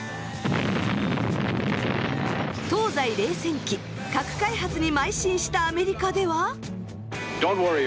東西冷戦期核開発に邁進したアメリカでは。